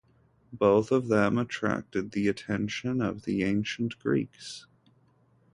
Both of them attracted the attention of the ancient Greeks.